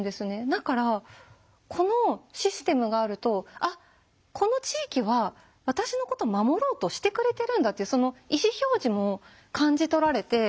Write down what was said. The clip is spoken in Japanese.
だからこのシステムがあると「あっこの地域は私のこと守ろうとしてくれてるんだ」ってその意思表示も感じ取られて。